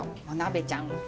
お鍋ちゃん。